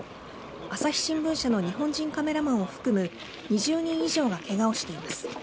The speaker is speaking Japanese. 朝日新聞社の日本人カメラマンを含む２０人以上がけがをしています。